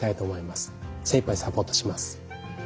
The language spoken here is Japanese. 精いっぱいサポートします。